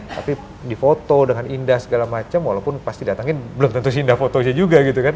tapi difoto dengan indah segala macem walaupun pas didatangin belum tentu sih indah fotonya juga gitu kan